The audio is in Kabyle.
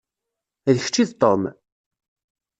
D kečč i d Tom?